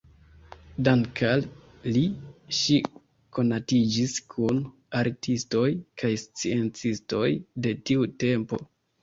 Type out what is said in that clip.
Dank‘ al li ŝi konatiĝis kun artistoj kaj sciencistoj de tiu tempo.